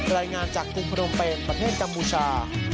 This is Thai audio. รายงานจากกรุงพนมเปนประเทศกัมพูชา